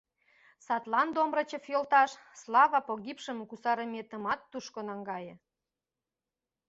Садлан, Домрачев йолташ, «Слава погибшему» кусарыметымат тушко наҥгае.